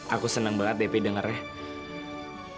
aku seneng banget ya pi dengarnya